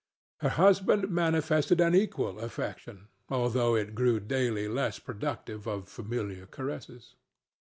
Her husband manifested an equal affection, although it grew daily less productive of familiar caresses.